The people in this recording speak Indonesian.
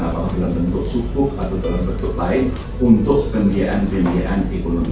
atau dalam bentuk subuk atau dalam bentuk lain untuk pendiaan pendiaan ekonomi